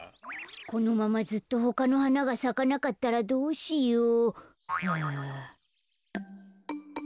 このままずっとほかのはながさかなかったらどうしよう。